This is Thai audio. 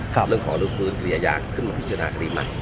เรื่องของลูกฟื้นเคลียร์ยากขึ้นมาพิจารณากระดิษฐ์ใหม่